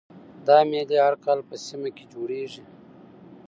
دا میلې هر کال په سیمه کې جوړیږي